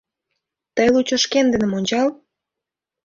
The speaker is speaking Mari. — Тый лучо шкендыным ончал.